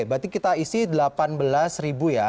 berarti kita isi delapan belas ribu ya